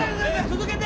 続けて？